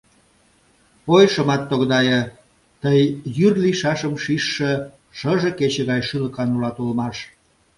Ой, шымат тогдае: тый йӱр лийшашым шижше шыже кече гай шӱлыкан улат улмаш.